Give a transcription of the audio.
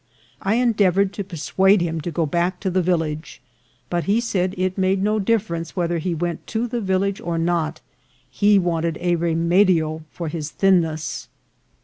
I endeavoured to persuade him to go back to the vil lage, but he said it made no difference whether he went to the village or not ; he wanted a remedio for his thinness.